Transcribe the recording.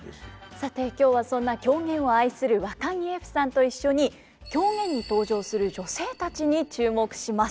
さて今日はそんな狂言を愛するわかぎゑふさんと一緒に狂言に登場する女性たちに注目します。